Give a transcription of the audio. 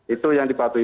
itu yang dipatuhi